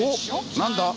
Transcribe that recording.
何だ？